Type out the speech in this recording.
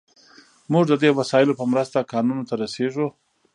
موږ د دې وسایلو په مرسته کانونو ته رسیږو.